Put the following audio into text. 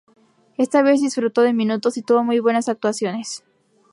Esta vez disfrutó de minutos, y tuvo muy buenas actuaciones.